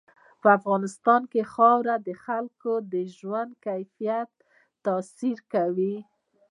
په افغانستان کې خاوره د خلکو د ژوند کیفیت تاثیر کوي.